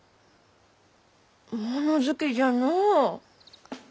もの好きじゃのう。